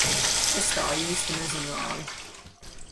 Es tā īsti nezināju.